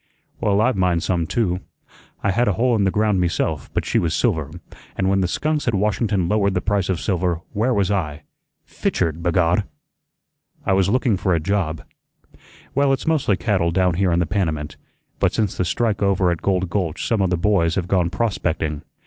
"Well I've mined some too. I had a hole in the ground meself, but she was silver; and when the skunks at Washington lowered the price of silver, where was I? Fitchered, b'God!" "I was looking for a job." "Well, it's mostly cattle down here in the Panamint, but since the strike over at Gold Gulch some of the boys have gone prospecting.